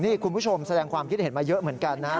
นี่คุณผู้ชมแสดงความคิดเห็นมาเยอะเหมือนกันนะครับ